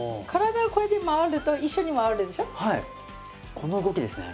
この動きですね。